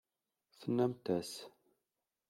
Tennamt-as.